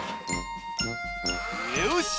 よし！